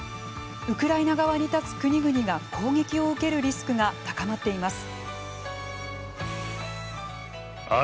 ウクライナ側に立つ国々が攻撃を受けるリスクが高まっています。